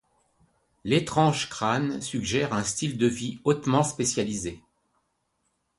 L'étrange crâne suggère un style de vie hautement spécialisé.